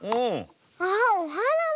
あっおはなだ。